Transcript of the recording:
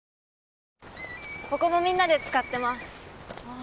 ここもみんなで使ってますああ